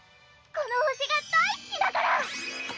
この星が大好きだから！